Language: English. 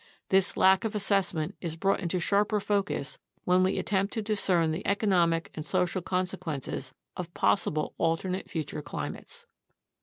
This lack of assessment is brought into sharper focus when we attempt to discern the economic and social consequences of possible alternative future climates.